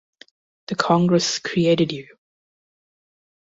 The Congress created you.